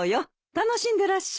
楽しんでらっしゃい。